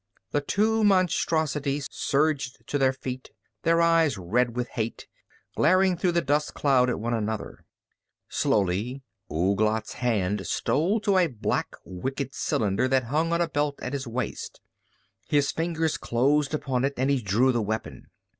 The two monstrosities surged to their feet, their eyes red with hate, glaring through the dust cloud at one another. Slowly Ouglat's hand stole to a black, wicked cylinder that hung on a belt at his waist. His fingers closed upon it and he drew the weapon.